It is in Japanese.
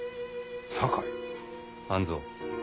半蔵。